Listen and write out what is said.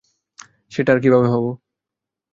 সেটা আর কীভাবে হবো।